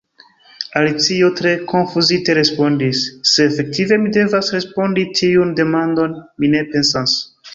Alicio, tre konfuzite, respondis: "Se efektive mi devas respondi tiun demandon, mi ne pensas."